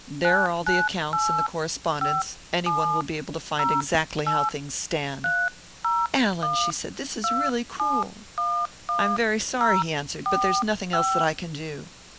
"There are all the accounts, and the correspondence. Anyone will be able to find exactly how things stand." "Allan," she said, "this is really cruel." "I am very sorry," he answered, "but there is nothing else that I can do."